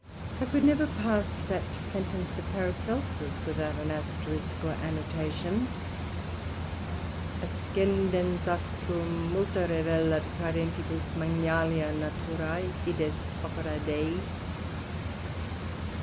I could never pass that sentence of Paracelsus, without an asterisk, or annotation; Ascendens constellatum multa revelat, quærentibus magnalia naturæ, i.e. opera Dei.